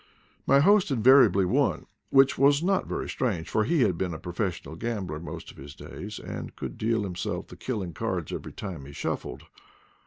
My host invariably won, which was not very strange, for he had been a professional gambler most of his days, and could deal himself the killing cards every time he shuffled.